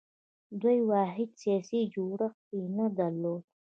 دوی واحد سیاسي جوړښت یې نه درلود